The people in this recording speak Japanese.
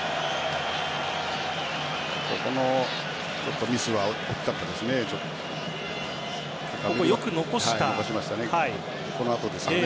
このミスは大きかったですね。